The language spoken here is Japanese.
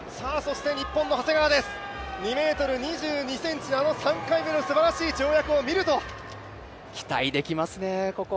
日本の長谷川です、２ｍ２２ｃｍあの３回目のすばらしい跳躍を期待できますね、ここ。